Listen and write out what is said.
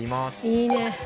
いいね！